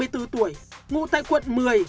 ba mươi bốn tuổi ngụ tại quận một mươi